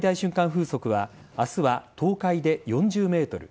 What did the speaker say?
風速は明日は東海で４０メートル